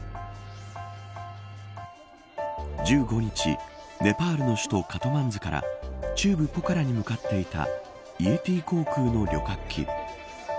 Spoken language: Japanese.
１５日ネパールの首都カトマンズから中部ポカラに向かっていたイエティ航空の旅客機。